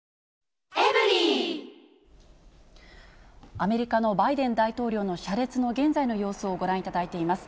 アメリカのバイデン大統領の車列の現在の様子をご覧いただいています。